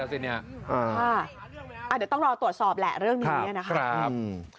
เดี๋ยวต้องรอตรวจสอบแหละเรื่องนี้นะครับ